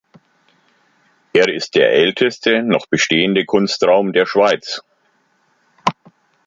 Er ist der älteste noch bestehende Kunstraum der Schweiz.